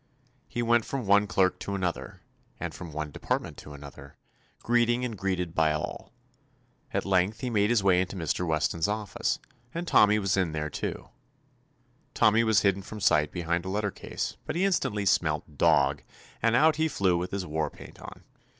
He went from one clerk to another, and from one department to another, greeting and greeted by all. At length he made his way into Mr. Wes ton's office, and Tommy was in there too. Tommy was hidden from sight behind a letter case, but he instantly smelt ''dog," and out he flew with his war paint on.